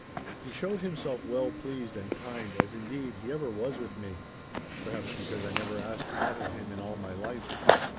He showed himself well pleased and kind, as, indeed, he ever was with me—perhaps because I never asked aught of him in all my life.